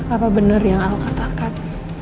apa bener yang al katakan